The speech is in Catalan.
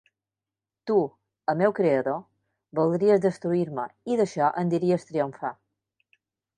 Tu, el meu creador, voldries destruir-me, i d'això en diries triomfar.